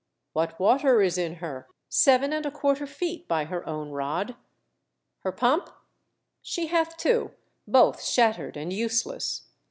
"What water is in her ?"" Seven and a quarter feet by her own rod." " Her pump ?"" She hath two — both shattered and useless."